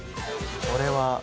これは？